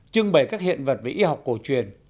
trưng bày các hiện vật về y học cổ truyền